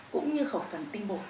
cũng như khẩu phần tinh bột